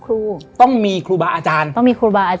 และยินดีต้อนรับทุกท่านเข้าสู่เดือนพฤษภาคมครับ